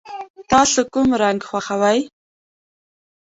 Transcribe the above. تاسو کوم رنګ خوښوئ؟